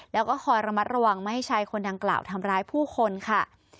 แล้วก็คอยระมัดระวังไม่ให้ชายคนดังกล่าวทำร้ายผู้คนค่ะ